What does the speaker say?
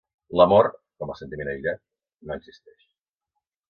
L'amor, com a sentiment aïllat, no existeix.